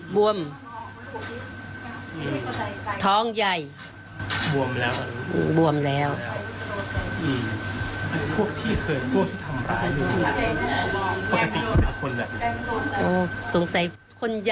กลุ่มคนร้ายน่าจะเข้าใจผิดนะคะ